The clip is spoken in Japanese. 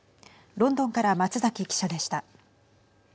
ロンドンから松崎記者でした。